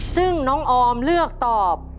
ซึ่งน้องออมเลือกตอบ